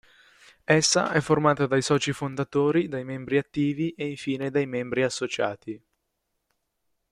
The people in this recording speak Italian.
Essa è formata dai Soci fondatori, dai Membri attivi e infine dai Membri associati.